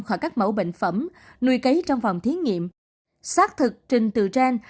khỏi các mẫu bệnh phẩm nuôi cấy trong phòng thiết nghiệm xác thực trình từ gen